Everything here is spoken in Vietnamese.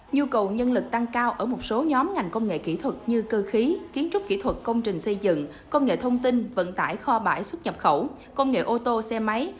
nhu cầu nhân lực tăng cao ở một số nhóm ngành công nghệ kỹ thuật như cơ khí kiến trúc kỹ thuật công trình xây dựng công nghệ thông tin vận tải kho bãi xuất nhập khẩu công nghệ ô tô xe máy